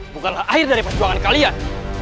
bukanlah akhir dari perjuangan kalian